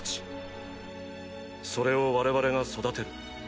それを我々が育てる。